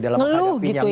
ngeluh gitu ya